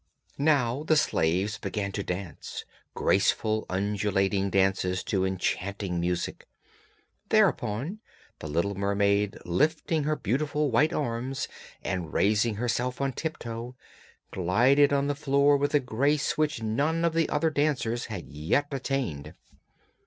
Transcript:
Now the slaves began to dance, graceful undulating dances to enchanting music; thereupon the little mermaid, lifting her beautiful white arms and raising herself on tiptoe, glided on the floor with a grace which none of the other dancers had yet attained.